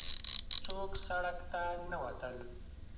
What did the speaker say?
څوک سړک ته نه وتل.